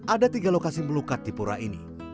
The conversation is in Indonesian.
ada tiga lokasi melukat di pura ini